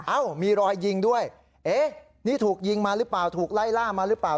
เอ้ามีรอยยิงด้วยเอ๊ะนี่ถูกยิงมาหรือเปล่าถูกไล่ล่ามาหรือเปล่า